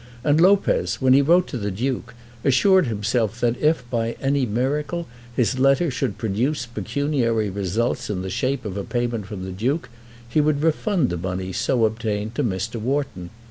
And Lopez, when he wrote to the Duke, assured himself that if, by any miracle, his letter should produce pecuniary results in the shape of a payment from the Duke, he would refund the money so obtained to Mr. Wharton.